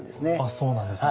そうなんですね。